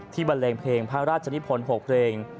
ที่บรรลีเกาะเพลงพระราชนิภล์๖เพลง